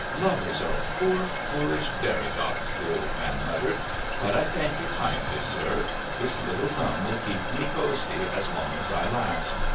"Lovers are poor foolish derry docks," the old man muttered. "But I thank you kindly, Sir. This little sum will keep me cosy, as long as I last.